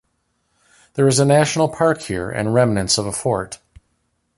There is a national park here and remnants of a fort.